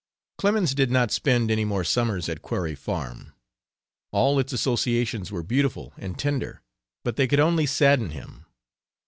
Clemens did not spend any more summers at Quarry Farm. All its associations were beautiful and tender, but they could only sadden him.